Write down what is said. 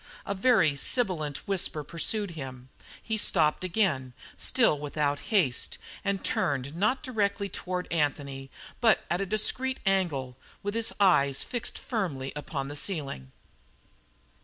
A very sibilant whisper pursued him. He stopped again, still without haste, and turned not directly toward Anthony, but at a discreet angle, with his eyes fixed firmly upon the ceiling.